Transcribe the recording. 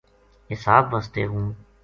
حساب واسطے ہوں